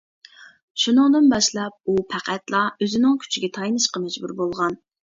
شۇنىڭدىن باشلاپ، ئۇ پەقەتلا ئۆزىنىڭ كۈچىگە تايىنىشقا مەجبۇر بولغان.